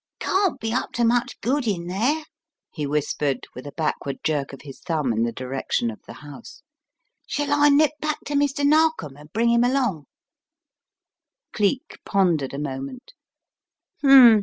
"Can't be up to much good in there," he whispered with a backward jerk of his thumb in the direction of the house. "Shall I nip back to Mr. Narkom and bring him along?" Cleek pondered a moment.